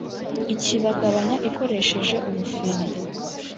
ikibagabanya ikoresheje ubufindo